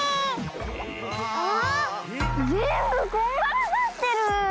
ああぜんぶこんがらがってる。